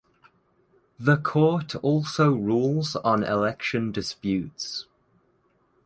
The court also rules on election disputes.